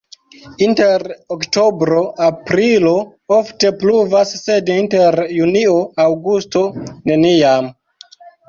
Inter oktobro-aprilo ofte pluvas, sed inter junio-aŭgusto neniam.